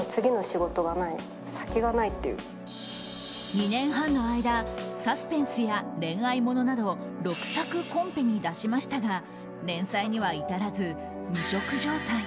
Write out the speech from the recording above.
２年半の間サスペンスや恋愛ものなど６作、コンペに出しましたが連載には至らず無職状態。